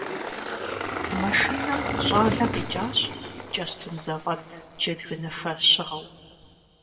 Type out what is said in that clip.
Машинэм щӀалэ къикӀащ кӀэстум зэфӀэт джэдгыныфэ щыгъыу.